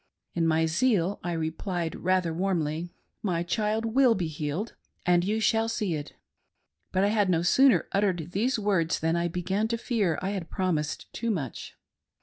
In my zeal I repUed rather warmly :" My child will be healed, and you shall see it." But I had no sooner "uttered these words than I began to fear I had promised too much.